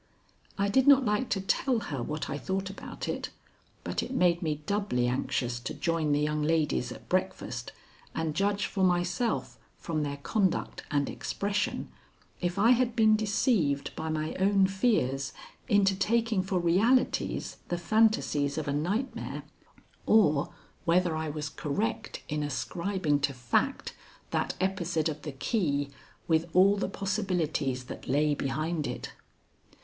I did not like to tell her what I thought about it, but it made me doubly anxious to join the young ladies at breakfast and judge for myself from their conduct and expression if I had been deceived by my own fears into taking for realities the phantasies of a nightmare, or whether I was correct in ascribing to fact that episode of the key with all the possibilities that lay behind it.